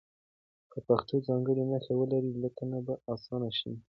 که پښتو ځانګړې نښې ولري لیکل به اسانه شي.